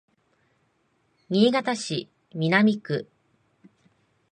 新潟市南区